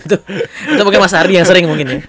itu mungkin mas ardi yang sering mungkin ya